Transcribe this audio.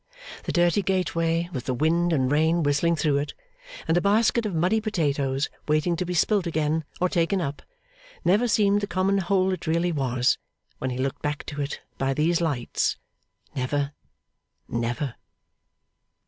The dirty gateway with the wind and rain whistling through it, and the basket of muddy potatoes waiting to be spilt again or taken up, never seemed the common hole it really was, when he looked back to it by these lights. Never, never!